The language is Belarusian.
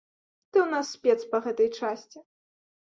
Ты ў нас спец па гэтай часці.